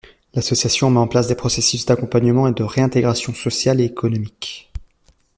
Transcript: L’association met en place des processus d’accompagnement et de réintégration sociale et économique.